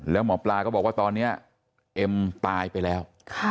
แล้วหมอปลาก็บอกว่าตอนนี้เอ็มตายไปแล้ว